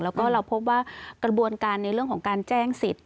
แล้วก็เราพบว่ากระบวนการในเรื่องของการแจ้งสิทธิ